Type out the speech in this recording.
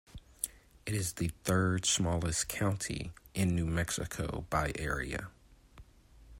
It is the third-smallest county in New Mexico by area.